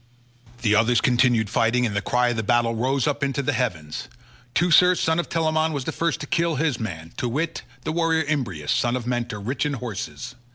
The others continued fighting, and the cry of battle rose up into the heavens. Teucer son of Telamon was the first to kill his man, to wit, the warrior Imbrius, son of Mentor, rich in horses.